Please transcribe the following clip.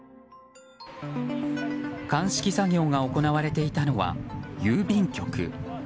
鑑識作業が行われていたのは郵便局。